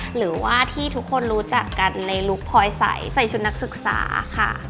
หรือว่าที่ทุกคนรู้จักกันในลุคพลอยใสใส่ชุดนักศึกษาค่ะ